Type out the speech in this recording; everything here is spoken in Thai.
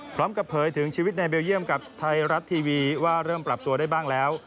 เผยถึงชีวิตในเบลเยี่ยมกับไทยรัฐทีวีว่าเริ่มปรับตัวได้บ้างแล้ว